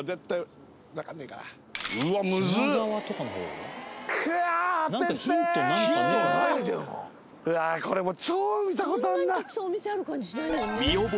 うわあこれも超見た事あるな。